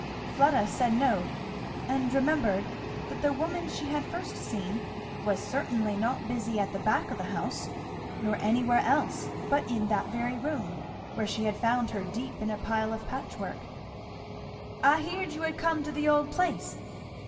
Fleda said no, and remembered that the woman she had first seen was certainly not busy at the back of the house nor anywhere else but in that very room, where she had found her deep in a pile of patchwork. "I heerd you had come to the old place.